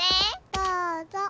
どうぞ！